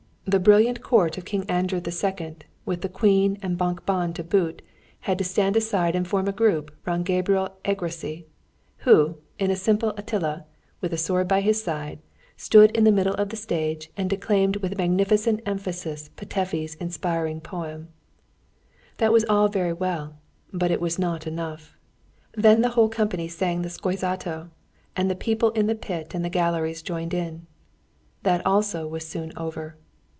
The brilliant court of King Andrew II., with the Queen and Bánk bán to boot, had to stand aside and form a group round Gabriel Egressy, who, in a simple attila, with a sword by his side, stood in the middle of the stage and declaimed with magnificent emphasis Petöfi's inspiring poem. That was all very well, but it was not enough. Then the whole company sang the "Szózato," and the people in the pit and the galleries joined in. That also was soon over.